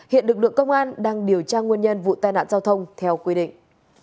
hiện lực lượng công an đang điều tra nguyên nhân vụ tai nạn giao thông theo quy định